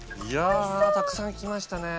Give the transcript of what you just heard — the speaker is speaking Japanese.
たくさん来ましたね。